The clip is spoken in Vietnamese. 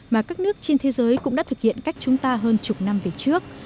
mà các nước trên thế giới cũng đã thực hiện cách chúng ta hơn chục năm về trước